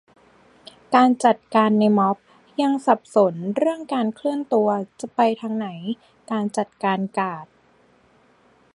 การจัดการในม็อบ ยังสับสนเรื่องการเคลื่อนตัวจะไปทางไหน การจัดการการ์ด